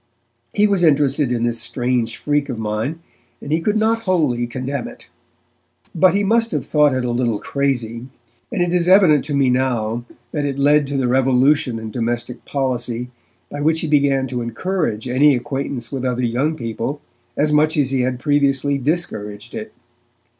He was interested in this strange freak of mine, and he could not wholly condemn it. But he must have thought is a little crazy, and it is evident to me now that it led to the revolution in domestic policy by which he began to encourage any acquaintance with other young people as much as he had previously discouraged it.